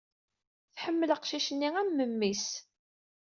Tḥemmel aqcic-nni am memmi-s.